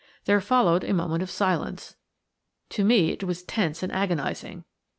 There followed a moment of silence. To me it was tense and agonising.